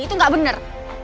itu gak bener